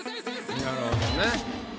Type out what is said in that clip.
なるほどね。